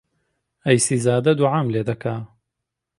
ئەی سەیزادە دووعام لێ دەکا